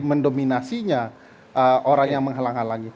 mendominasinya orang yang menghalang halangi